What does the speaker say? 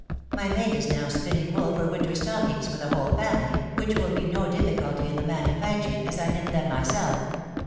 My maid is now spinning wool for winter stockings for the whole family, which will be no difficulty in the manufactory, as I knit them myself.